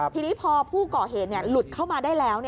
ทีนี้พอผู้ก่อเหตุหลุดเข้ามาได้แล้ว